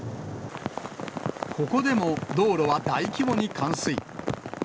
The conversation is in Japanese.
ここでも道路は大規模に冠水。